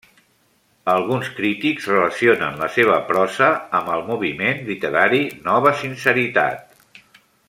Alguns crítics relacionen la seva prosa amb el moviment literari Nova sinceritat.